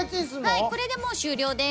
はいこれでもう終了です。